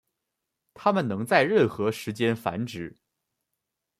它们能在任何时间繁殖。